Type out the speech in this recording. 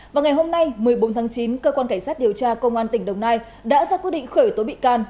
vào ngày hôm nay một mươi bốn tháng chín cơ quan cảnh sát điều tra công an tỉnh đồng nai đã ra quyết định khởi tố bị can